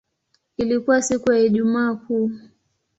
Ilikuwa siku ya Ijumaa Kuu.